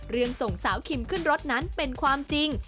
ส่งสาวคิมขึ้นรถนั้นเป็นความจริง